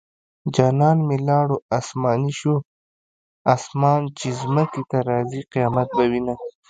جانان مې لاړو اسماني شو اسمان چې ځمکې ته راځي قيامت به وينه